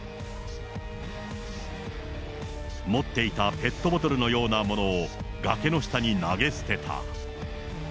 持っていたペットボトルのようなものを、崖の下に投げ捨てた。